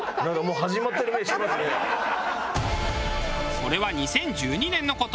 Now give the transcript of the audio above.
それは２０１２年の事。